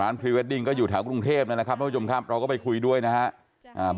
พรีเวดดิ้งก็อยู่แถวกรุงเทพนั่นแหละครับท่านผู้ชมครับเราก็ไปคุยด้วยนะครับ